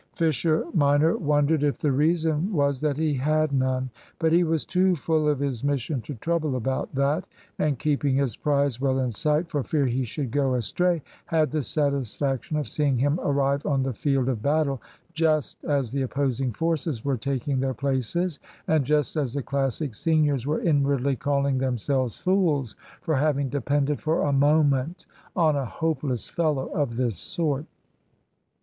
Fisher minor wondered if the reason was that he had none. But he was too full of his mission to trouble about that, and, keeping his prize well in sight, for fear he should go astray, had the satisfaction of seeing him arrive on the field of battle just as the opposing forces were taking their places, and just as the Classic seniors were inwardly calling themselves fools for having depended for a moment on a hopeless fellow of this sort.